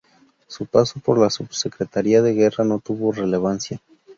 Su paso por la Subsecretaría de Guerra no tuvo relevancia.